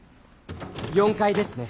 ４階ですね。